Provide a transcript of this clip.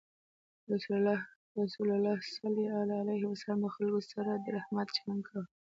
رسول الله صلى الله عليه وسلم د خلکو سره د رحمت چلند کاوه.